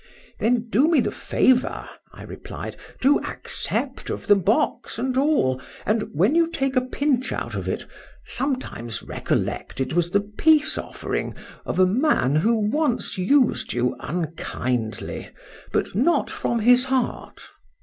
Then do me the favour, I replied, to accept of the box and all, and when you take a pinch out of it, sometimes recollect it was the peace offering of a man who once used you unkindly, but not from his heart.